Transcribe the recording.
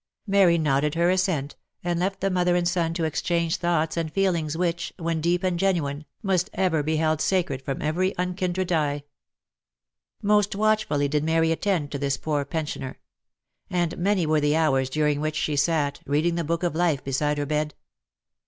Mary nodded her assent, and left the mother and son to exchange thoughts and feelings, which, when deep and genuine, must ever be held sacred from every unkindred eye. Most watchfully did Mary attend to this poor pensioner ; and many were the hours during which she sat, reading the book of life beside u 2 292 THE LIFE AND ADVENTURES her bed.